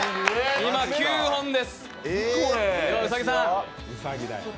今、９本です。